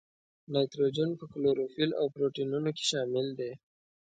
نایتروجن په کلوروفیل او پروټینونو کې شامل دی.